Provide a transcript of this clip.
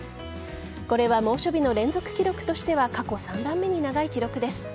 これは猛暑日の連続記録としては過去３番目に長い記録です。